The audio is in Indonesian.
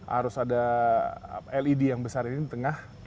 harus ada led yang besar ini di tengah